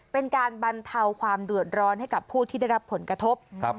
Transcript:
เป็นการบรรเทาความเดือดร้อนให้กับผู้ที่ได้รับผลกระทบ